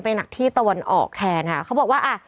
หนักที่ตะวันออกแทนค่ะเขาบอกว่าอ่ะ